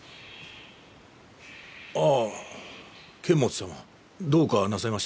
ああ剣持さま。どうかなさいましたか？